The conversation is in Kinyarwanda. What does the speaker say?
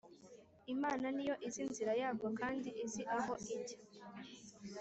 Imana ni yo izi inzira yabwo kandi izi aho ijya